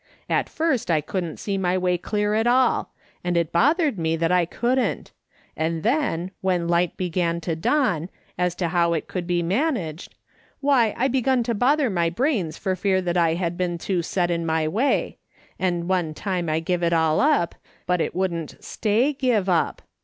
" At first I couldn't see my way clear at all, and it bothered me that I couldn't ; and then, when light began to dawn, as to how it could be managed, why, I l^egun to bother my brains for fear I MEDITATIONS THAT MEANT SOMETHING. 207 I had been too set in my way ; and one time I give it all lip, but it wouldn't staxj give up.